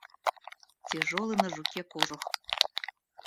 Тяжелый на жуке кожух.